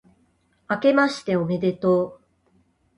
あけましておめでとう